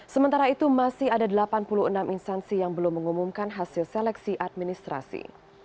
sementara itu masih ada delapan puluh enam instansi yang belum mengumumkan hasil seleksi administrasi